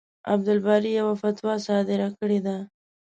عبدالباري يوه فتوا صادره کړې ده.